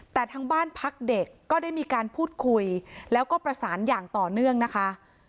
แต่ทางบ้านพักเด็กก็ได้มีการพูดคุยแล้วก็ประสานอย่างต่อเนื่องนะคะ